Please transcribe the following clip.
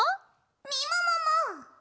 みももも！